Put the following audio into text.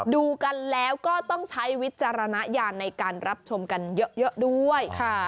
ดูกันแล้วก็ต้องใช้วิจารณญาณในการรับชมกันเยอะด้วย